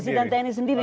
polisi dan tni sendiri